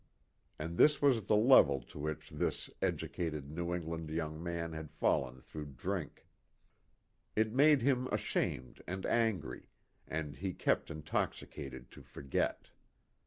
And this was the level to which this educated l6 THE New England young man had fallen through drink. It made him ashamed and angry, and he kept intoxicated to forget.